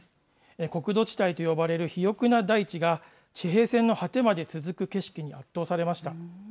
黒土地帯と呼ばれる肥沃な大地が、地平線の果てまで続く景色に圧倒されました。